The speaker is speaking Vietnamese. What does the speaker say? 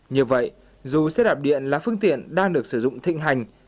như vậy dù xe đạp điện là phương tiện đang được sử dụng thịnh hành